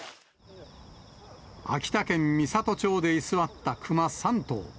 秋田県美郷町で居座ったクマ３頭。